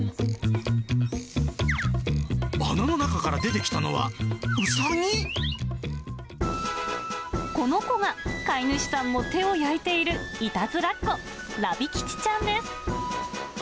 穴の中から出てきたのは、この子が、飼い主さんも手を焼いているいたずらっ子、ラビ吉ちゃんです。